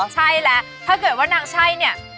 ใช่แล้วถ้าเกิดว่านางใช่เนี่ย